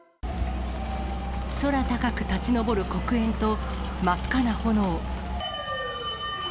空高く立ち上る黒煙と、真っ赤な炎。